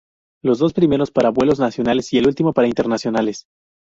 Los dos primeros para vuelos nacionales y el último para internacionales.